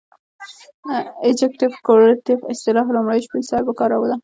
ابجګټف کورلیټف اصطلاح لومړی شپون صاحب وکاروله.